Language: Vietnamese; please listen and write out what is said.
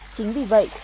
chính vì vậy